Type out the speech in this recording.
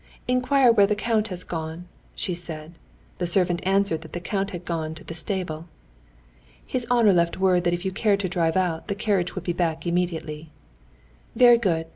"Inquire where the count has gone," she said. The servant answered that the count had gone to the stable. "His honor left word that if you cared to drive out, the carriage would be back immediately." "Very good.